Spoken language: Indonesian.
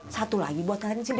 satu lagi buat si debi sekolah